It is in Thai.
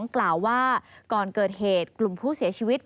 กล่าวว่าก่อนเกิดเหตุกลุ่มผู้เสียชีวิต